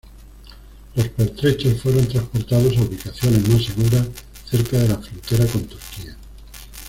Los pertrechos fueron transportados a ubicaciones más seguras, cerca de la frontera con Turquía.